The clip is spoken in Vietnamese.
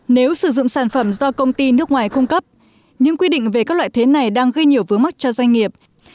nếu sử dụng sản phẩm do công ty nước ngoài cung cấp những quy định về các loại thuế này đang gây nhiều vướng mắt cho doanh nghiệp